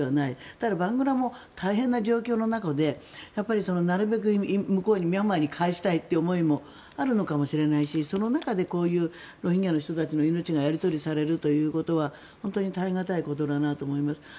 ただ、バングラも大変な状況の中でなるべく向こうにミャンマーに帰したいという思いもあるのかもしれないしその中でこういうロヒンギャの人たちの命がやり取りされるということは耐え難いことだなと思います。